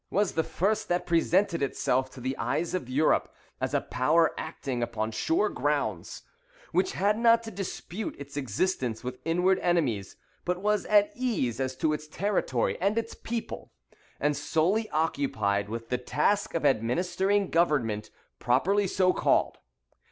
was the first that presented itself to the eyes of Europe as a power acting upon sure grounds, which had not to dispute its existence with inward enemies, but was at ease as to its territory and its people, and solely occupied with the task of administering government, properly so called.